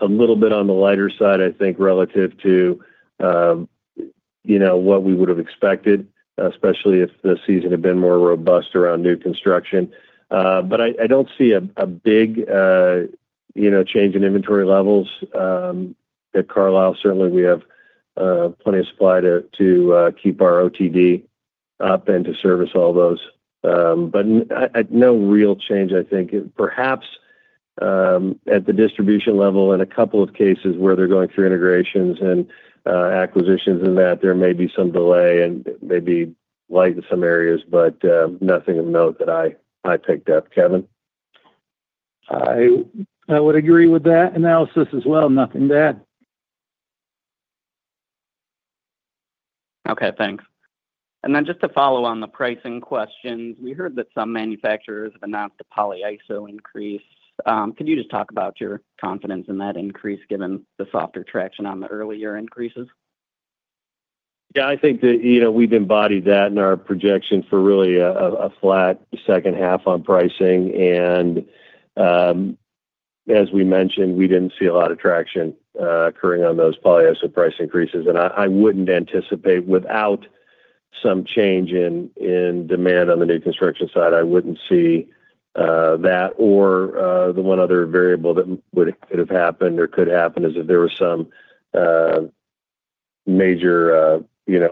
A little bit on the lighter side, I think, relative to what we would have expected, especially if the season had been more robust around new construction. I don't see a big change in inventory levels. At Carlisle, certainly, we have plenty of supply to keep our OTD up and to service all those. No real change, I think. Perhaps at the distribution level in a couple of cases where they're going through integrations and acquisitions, there may be some delay and maybe light in some areas, but nothing of note that I picked up, Kevin? I would agree with that analysis as well. Nothing bad. Okay. Thanks. Just to follow on the pricing questions, we heard that some manufacturers have announced a Polyiso increase. Could you talk about your confidence in that increase given the softer traction on the earlier increases? Yeah. I think that we've embodied that in our projection for really a flat second half on pricing. As we mentioned, we didn't see a lot of traction occurring on those Polyiso price increases. I wouldn't anticipate, without some change in demand on the new construction side, seeing that. The one other variable that could have happened or could happen is if there was some major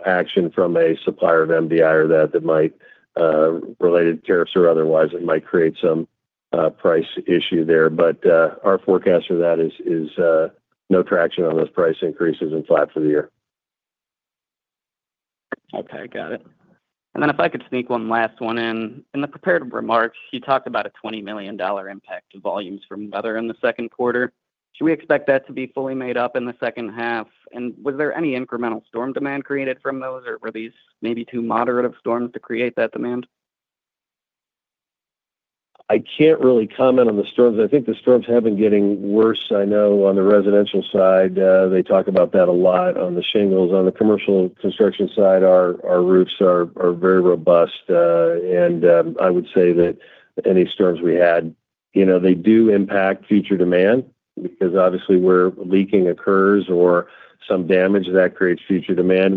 action from a supplier of MDI or that might be related to tariffs or otherwise, it might create some price issue there. Our forecast for that is no traction on those price increases and flat for the year. Got it. If I could sneak one last one in. In the prepared remarks, you talked about a $20 million impact to volumes for weather in the second quarter. Should we expect that to be fully made up in the second half? Was there any incremental storm demand created from those, or were these maybe too moderate of storms to create that demand? I can't really comment on the storms. I think the storms have been getting worse. I know on the residential side, they talk about that a lot on the shingles. On the commercial construction side, our roofs are very robust. I would say that any storms we had do impact future demand because obviously where leaking occurs or some damage, that creates future demand.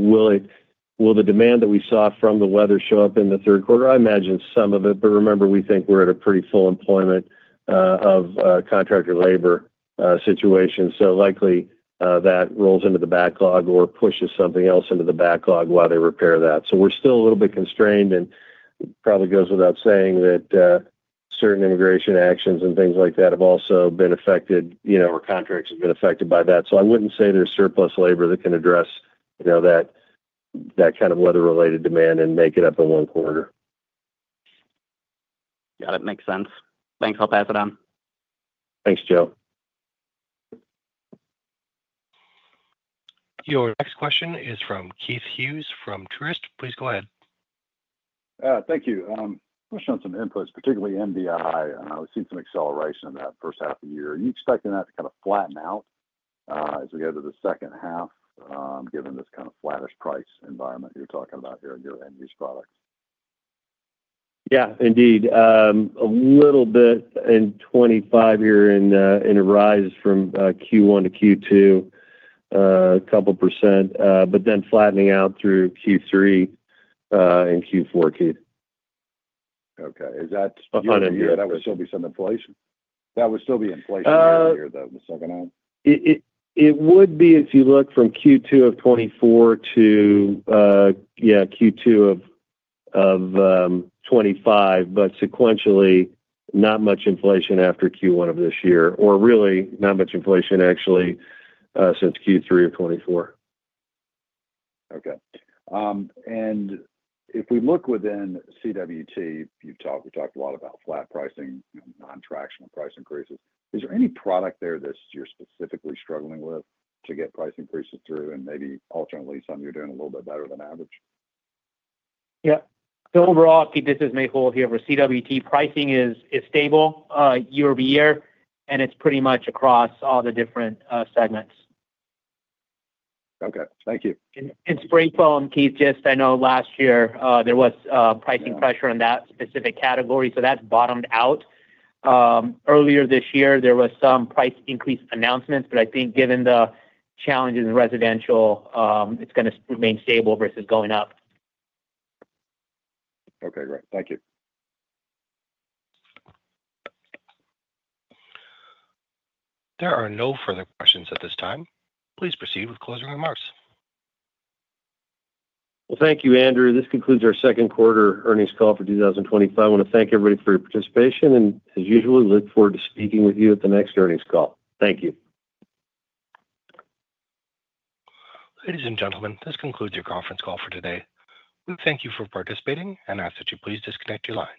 Will the demand that we saw from the weather show up in the third quarter? I imagine some of it, but remember, we think we're at a pretty full employment of contractor labor situation. Likely that rolls into the backlog or pushes something else into the backlog while they repair that. We're still a little bit constrained, and it probably goes without saying that certain immigration actions and things like that have also been affected, or contracts have been affected by that. I wouldn't say there's surplus labor that can address that kind of weather-related demand and make it up in one quarter. Got it. Makes sense. Thanks. I'll pass it on. Thanks, Joe. Your next question is from Keith Hughes from Truist. Please go ahead. Thank you. Question on some inputs, particularly MDI. We've seen some acceleration in that first half of the year. Are you expecting that to kind of flatten out. As we go to the second half, given this kind of flattish price environment, you're talking about here in your end-use products? Yeah, indeed. A little bit in 2025 here in a rise from Q1 to Q2. A couple %, but then flattening out through Q3 and Q4, Keith. Okay. Is that still in here? That would still be some inflation. That would still be inflation in here, though, the second half. It would be if you look from Q2 of 2024 to, yeah, Q2 of 2025, but sequentially not much inflation after Q1 of this year, or really not much inflation actually since Q3 of 2024. Okay. If we look within CWT, we talked a lot about flat pricing, non-tractional price increases. Is there any product there that you're specifically struggling with to get price increases through and maybe alternately some you're doing a little bit better than average? Yep. So overall, Keith, this is my whole here for CWT. Pricing is stable year-over-year, and it's pretty much across all the different segments. Okay. Thank you. Spray foam, Keith, just I know last year there was pricing pressure on that specific category, so that's bottomed out. Earlier this year, there were some price increase announcements, but I think given the challenges in residential, it's going to remain stable vs going up. Okay. Great. Thank you. There are no further questions at this time. Please proceed with closing remarks. Thank you, Andrew. This concludes our second quarter earnings call for 2025. I want to thank everybody for your participation, and as usual, we look forward to speaking with you at the next earnings call. Thank you. Ladies and gentlemen, this concludes your conference call for today. We thank you for participating and ask that you please disconnect your lines.